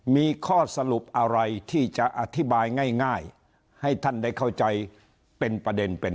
มีข้อสรุปอะไรที่จะอธิบายง่ายให้ท่านได้เข้าใจเป็นประเด็นเป็น